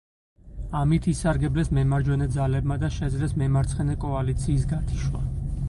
ამით ისარგებლეს მემარჯვენე ძალებმა და შეძლეს მემარცხენე კოალიციის გათიშვა.